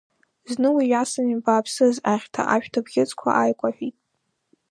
Зны уи иасын ибааԥсыз ахьҭа, ашәҭ абӷьыцқәа ааикәаҳәит.